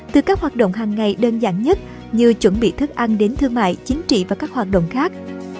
từ các hoạt động hàng ngày đơn giản nhất như chuẩn bị thức ăn đến thương mại chính trị và các hoạt động khác